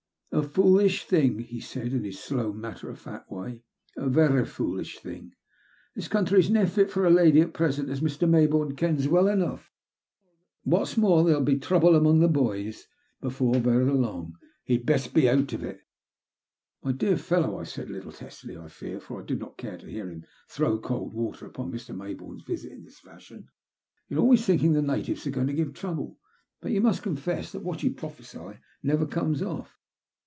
" A foolish thing," he said^ in his slow, matter of fact way, " a vera foolish thing. This country's nae fit for a lady at present, as Mr. Maybourne kens well eno*. An* what's more, therein be trouble among the boys (natives) before vera long. He'd best be out of it." My dear fellow," I said, a little testily I fear, for I did not care to hear him throw cold water on Mr. Mayboume's visit in this fashion, "you're always thinking the natives are going to give trouble, but you must confess that what you prophesy never comes off."